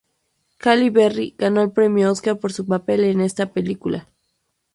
Halle Berry ganó el premio Óscar por su papel en esta película.